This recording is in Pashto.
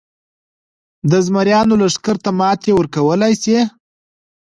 د زمریانو لښکر ته ماتې ورکولای شي.